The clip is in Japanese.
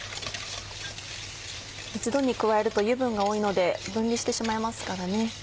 一度に加えると油分が多いので分離してしまいますからね。